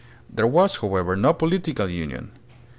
There was, however, no political union.